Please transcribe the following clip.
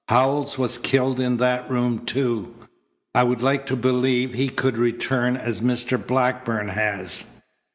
Howells was killed in that room, too. I would like to believe he could return as Mr. Blackburn has."